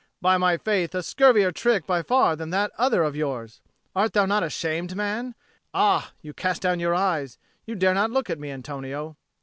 By my faith, a scurvier trick by far than that other of yours! Art thou not ashamed, man? Ah, you cast down your eyes! You dare not look at me, Antonio."